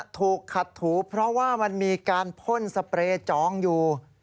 ถูกขัดถูเพราะว่ามันมีการพ่นสเปรย์จองอยู่